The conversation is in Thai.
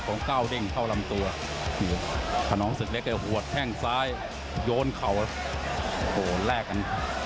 เก้าเด้งเข้าลำตัวขนองศึกเล็กก็หัวแข้งซ้ายโยนเข่าโอ้โหแลกกัน